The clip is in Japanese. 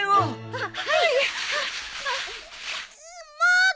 あっ！